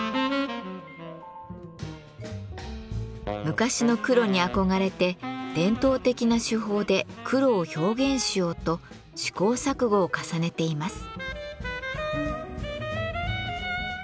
昔の黒に憧れて伝統的な手法で黒を表現しようと試行錯誤を重ねています。